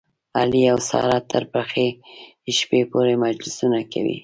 علي او ساره تر پخې شپې پورې مجلسونه کوي.